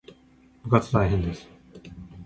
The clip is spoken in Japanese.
部活大変です